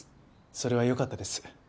それはよかったです。